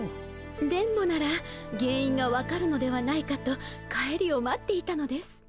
電ボなら原因が分かるのではないかと帰りを待っていたのです。